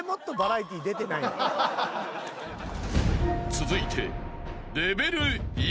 ［続いて］